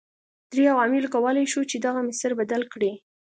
درې عواملو کولای شول چې دغه مسیر بدل کړي.